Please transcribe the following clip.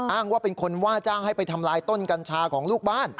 อ้างว่าเป็นคนว่าจ้างให้ไปทำลายต้นกัญชาของลูกบ้าน